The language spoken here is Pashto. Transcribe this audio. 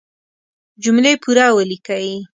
جملې پوره وليکئ!